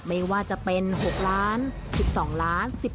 ไม่ว่าจะเป็น๖ล้าน๑๒ล้าน